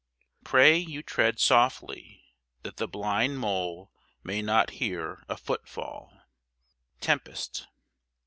Pray you tread softly, that the blind mole may not Hear a foot fall! TEMPEST.